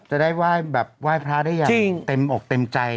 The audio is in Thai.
จะได้ว่ายพระได้อย่างเต็มอกเต็มใจ